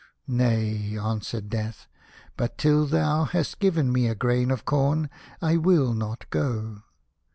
"Nay," answered Death, "but till thou hast given me a grain of corn I will not go."